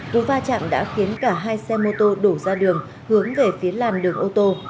cú va chạm đã khiến cả hai xe mô tô đổ ra đường hướng về phía làn đường ô tô